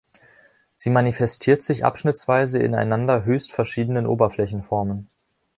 Sie manifestiert sich abschnittsweise in einander höchst verschiedenen Oberflächenformen.